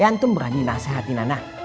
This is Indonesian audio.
ya ntum berani nasehatin ana